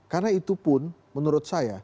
karena itu pun menurut saya